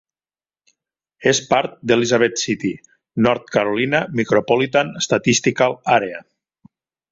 És part d'Elizabeth City, North Carolina Micropolitan Statistical Area.